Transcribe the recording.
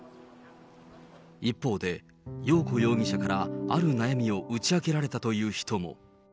一方で、よう子容疑者から、ある悩みを打ち明けられたという人も。